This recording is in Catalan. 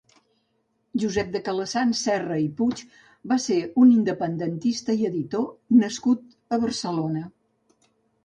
Josep de Calassanç Serra i Puig va ser un independentista i editor nascut a Barcelona.